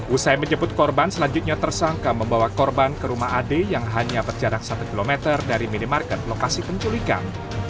usai menjemput korban selanjutnya tersangka membawa korban ke rumah ad yang hanya berjarak satu km dari minimarket lokasi penculikan